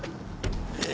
え